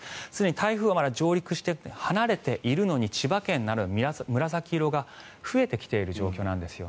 台風は離れているのに千葉県などは紫色が増えてきている状況なんです。